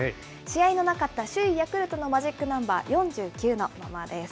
試合のなかった首位ヤクルトのマジックナンバー４９のままです。